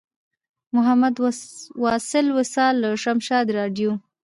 محمد واصل وصال له شمشاد راډیو.